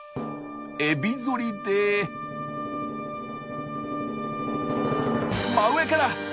エビ反りで真上から！